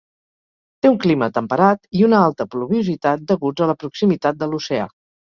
Té un clima temperat i una alta pluviositat deguts a la proximitat de l'oceà.